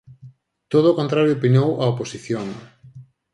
Todo o contrario opinou a oposición.